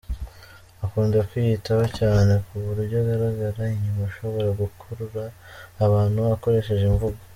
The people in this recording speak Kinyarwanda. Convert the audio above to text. Akunda kwiyitaho cyane ku buryo agaragara inyuma, ashobora gukurura abantu akoresheje imvugo.